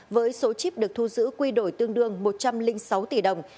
với số chip được thu giữ quy đổi tương đương một trăm linh sáu tỷ đồng